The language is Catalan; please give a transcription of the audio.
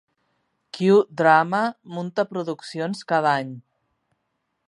Cue Drama munta produccions cada any.